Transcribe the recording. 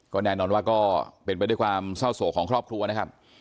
ก็แน่นอนว่าก็เป็นไปด้วยความเศร้าโศกของครอบครัวนะครับ